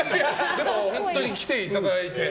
でも、本当に来ていただいて。